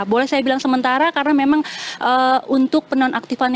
boleh saya bilang sementara karena memang untuk penonaktifan